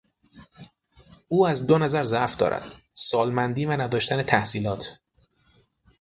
او از دو نظر ضعف دارد: سالمندی و نداشتن تحصیلات.